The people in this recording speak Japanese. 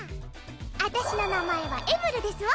私の名前はエムルですわ。